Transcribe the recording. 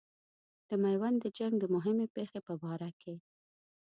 د میوند د جنګ د مهمې پیښې په باره کې.